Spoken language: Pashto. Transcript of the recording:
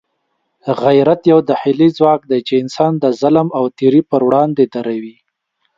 غیرت یو داخلي ځواک دی چې انسان د ظلم او تېري پر وړاندې دروي.